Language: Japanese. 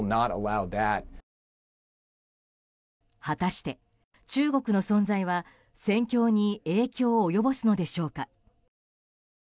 果たして、中国の存在は戦況に影響を及ぼすのでしょうか。